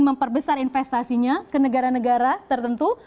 memperbesar investasinya ke negara negara tertentu